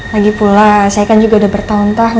lagi pula saya kan juga udah bertahun tahun